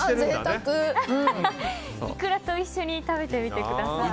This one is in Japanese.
イクラと一緒に食べてみてください。